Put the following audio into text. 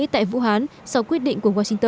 tại vũ hán sau quyết định của washington